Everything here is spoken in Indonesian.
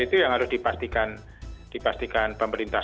itu yang harus dipastikan pemerintah